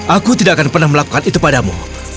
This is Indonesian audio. aku tidak akan pernah melakukan itu padamu